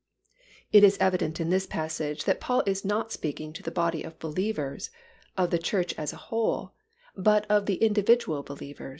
It is evident in this passage that Paul is not speaking of the body of believers, of the Church as a whole, but of the individual believer.